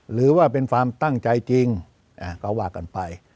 หรือว่าเป็นความตั้งใจจริงก็ว่ากันไป